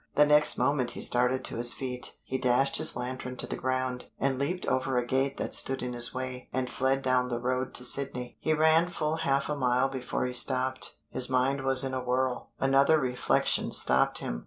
The next moment he started to his feet, he dashed his lantern to the ground, and leaped over a gate that stood in his way, and fled down the road to Sydney. He ran full half a mile before he stopped; his mind was in a whirl. Another reflection stopped him.